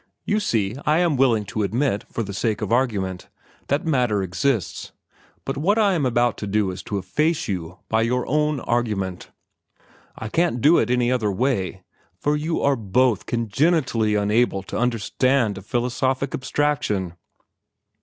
You see, I am willing to admit, for the sake of the argument, that matter exists; and what I am about to do is to efface you by your own argument. I can't do it any other way, for you are both congenitally unable to understand a philosophic abstraction.